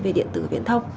về điện tử về điện thông